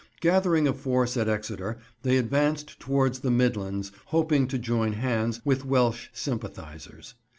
Gathering a force at Exeter, they advanced towards the midlands, hoping to join hands with Welsh sympathisers.